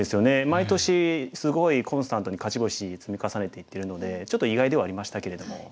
毎年すごいコンスタントに勝ち星積み重ねていってるのでちょっと意外ではありましたけれども。